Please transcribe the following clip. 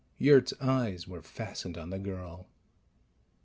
Yurt's eyes were fastened on the girl.